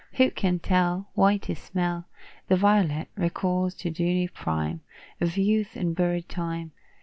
Who can tell Why to smell The violet, recalls the dewy prime Of youth and buried time?